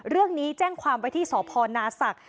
เรื่องนี้แจ้งความไปที่สพนาศักดิ์